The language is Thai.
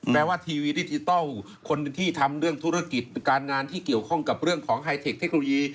ว่าทีวีดิจิทัลคนที่ทำเรื่องธุรกิจการงานที่เกี่ยวข้องกับเรื่องของไฮเทคเทคโนโลยี